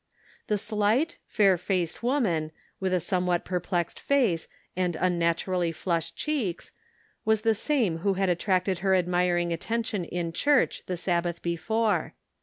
The slight, fair faced woman, with a some what perplexed face and unnaturally flushed cheeks, was the same who had attracted her ad miring attention in church the Sabbath before.